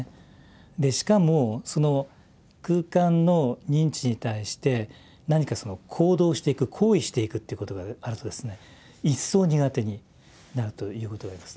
でしかもその空間の認知に対して何か行動していく行為していくっていうことがあるとですね一層苦手になるということがあります。